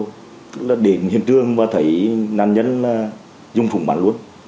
tức là đến hiện trường và thấy nạn nhân dung phủng bắn luôn